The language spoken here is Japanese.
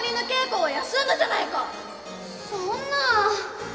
そんな。